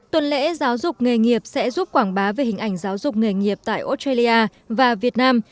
tuần lễ giáo dục nghề nghiệp sẽ giúp quảng bá về hình ảnh giáo dục nghề nghiệp tại australia và việt nam